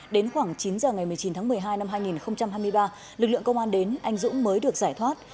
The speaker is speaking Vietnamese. đến khoảng chín giờ ngày một mươi chín tháng một mươi hai năm hai nghìn hai mươi ba lực lượng công an đến anh dũng mới được giải thoát